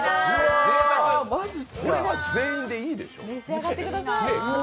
これは全員でいいでしょう！